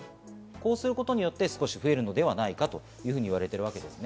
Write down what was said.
こうすることで少し増えるのではないかといわれています。